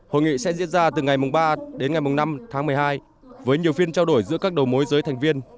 hội nghị sẽ diễn ra từ ngày ba đến ngày năm tháng một mươi hai với nhiều phiên trao đổi giữa các đầu mối giới thành viên